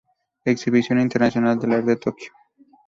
Exhibición Internacional de Arte, Tokio.